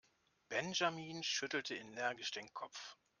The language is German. Benjamin schüttelte energisch den Kopf.